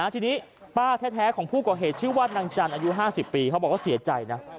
ทีนี้ป้าแท้ของผู้ก่อเหตุชื่อว่านางจันทร์อายุ๕๐ปีเขาบอกว่าเสียใจนะ